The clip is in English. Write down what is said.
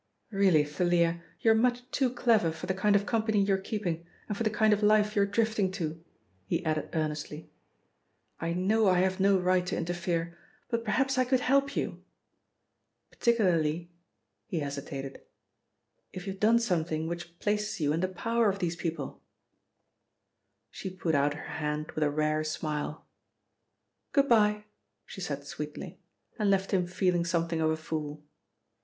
"Really, Thalia, you're much too clever for the kind of company you're keeping and for the kind of life you're drifting to," he added earnestly. "I know I have no right to interfere, but perhaps I could help you. Particularly," he hesitated, "if you have done something which places you in the power of these people." She put out her hand with a rare smile. "Good bye," she said sweetly, and left him feeling something of a fool.